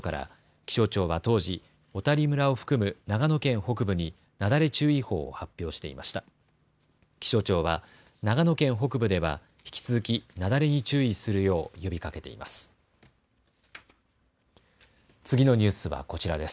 気象庁は長野県北部では引き続き雪崩に注意するよう呼びかけています。